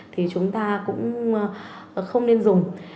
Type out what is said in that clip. thì chúng ta cũng không nên dùng